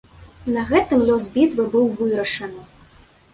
На гэтым лёс бітвы быў вырашаны.